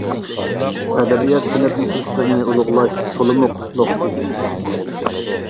ئەدەبىيات-سەنئەت مۇخلىسلىرىنى ئۇلۇغلاش تولىمۇ قۇتلۇق ئىش.